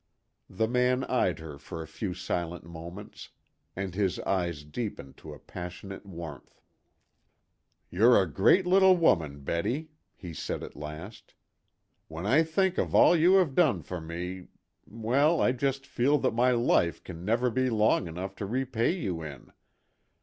The man eyed her for a few silent moments, and his eyes deepened to a passionate warmth. "You're a great little woman, Betty," he said at last. "When I think of all you have done for me well, I just feel that my life can never be long enough to repay you in.